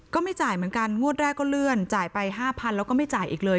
ก็ไม่จ่ายเหมือนกันงวดแรกก็เลื่อนจ่ายไป๕๐๐๐แล้วก็ไม่จ่ายอีกเลย